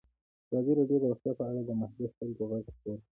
ازادي راډیو د روغتیا په اړه د محلي خلکو غږ خپور کړی.